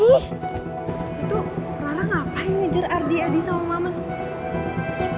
itu rana ngapain ngejar ardi adi sama maman